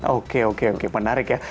oke oke oke menarik ya